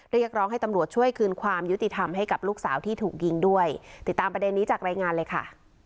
เรียกร้องให้ตำรวจช่วยคืนความยุติธรรมให้กับลูกสาวที่ถูกยิงด้วยติดตามประเด็นนี้จากรายงานเลยค่ะ